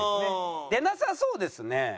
出なさそうですね。